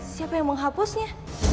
siapa yang mau hapusnya